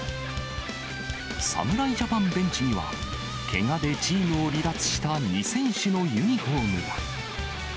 侍ジャパンベンチには、けがでチームを離脱した２選手のユニホームが。